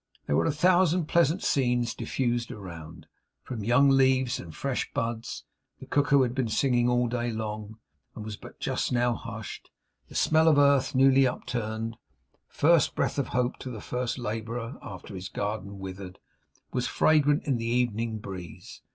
There were a thousand pleasant scents diffused around, from young leaves and fresh buds; the cuckoo had been singing all day long, and was but just now hushed; the smell of earth newly upturned, first breath of hope to the first labourer after his garden withered, was fragrant in the evening breeze.